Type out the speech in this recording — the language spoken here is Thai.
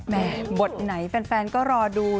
บทไหนแฟนก็รอดู